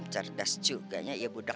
cerdas juga ya budak